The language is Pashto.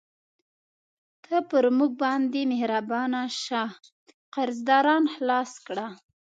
ته پر موږ باندې مهربانه شه، قرضداران خلاص کړه.